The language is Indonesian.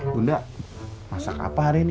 bunda masak apa hari ini